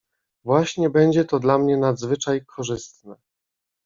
"Właśnie będzie to dla mnie nadzwyczaj korzystne."